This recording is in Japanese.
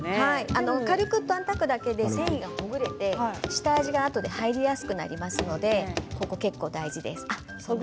軽くたたくだけで繊維が切れて下味が入りやすくなりますのでこれは結構、大事です。